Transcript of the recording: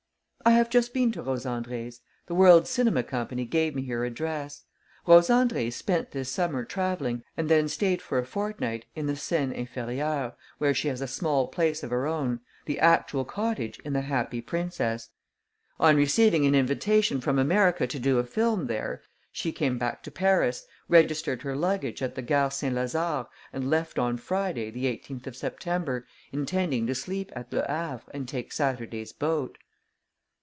"I have just been to Rose Andrée's: the World's Cinema Company gave me her address. Rose Andrée spent this summer travelling and then stayed for a fortnight in the Seine inférieure, where she has a small place of her own, the actual cottage in The Happy Princess. On receiving an invitation from America to do a film there, she came back to Paris, registered her luggage at the Gare Saint Lazare and left on Friday the 18th of September, intending to sleep at Le Havre and take Saturday's boat."